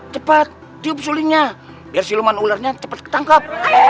cepat diupsulinnya biar siluman ularnya cepet ketangkep